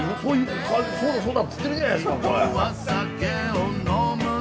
そうだそうだって言ってるじゃないですか。